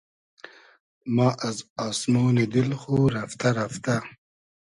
ما از آسمۉنی دیل خو رئفتۂ رئفتۂ